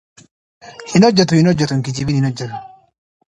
He left school shortly afterwards.